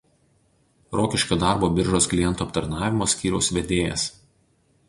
Rokiškio darbo biržos klientų aptarnavimo skyriaus vedėjas.